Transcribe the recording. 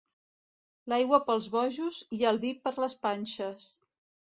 L'aigua pels bojos i el vi per les panxes.